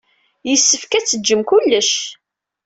Yessefk ad d-tejjem kullec.